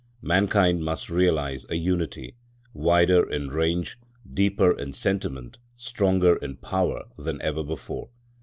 Mankind must realise a unity, wider in range, deeper in sentiment, stronger in power than ever before.